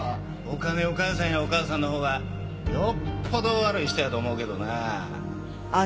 お金を返さへんお母さんのほうがよっぽど悪い人やと思うけどなあ。